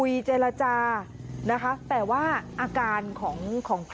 บางตอนก็มีอาการเกลี้ยวกราษต่อว่าพระต่อว่าชาวบ้านที่มายืนล้อมอยู่แบบนี้ค่ะ